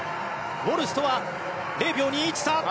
ウォルシュとは０秒２１差。